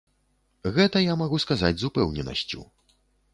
Гэта я магу сказаць з упэўненасцю.